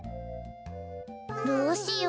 どうしよう。